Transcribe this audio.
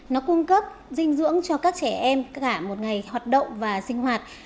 nó cung cấp dinh dưỡng cho các trẻ em cả một ngày hoạt động và sinh hoạt